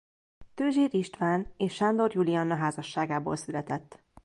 Tőzsér István és Sándor Julianna házasságából született.